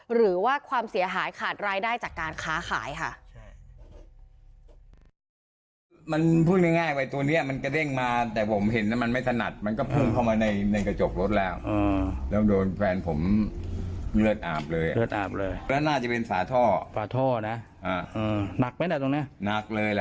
หรือว่าความเสียหายขาดรายได้จากการค้าขายค่ะ